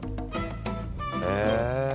へえ。